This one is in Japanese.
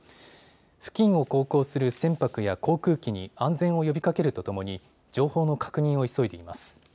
付近を航行する船舶や航空機に安全を呼びかけるとともに情報の確認を急いでいます。